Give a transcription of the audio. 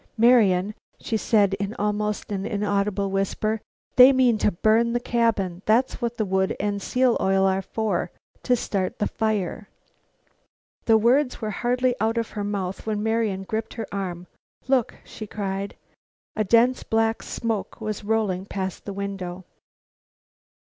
"Marian!" she said in an almost inaudible whisper, "they mean to burn the cabin. That's what the wood and oil are for to start the fire!" The words were hardly out of her mouth when Marian gripped her arm. "Look!" she cried. A dense black smoke was rolling past the window.